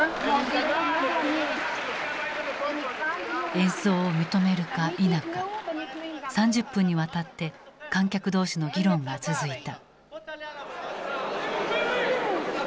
演奏を認めるか否か３０分にわたって観客同士の議論が続いた。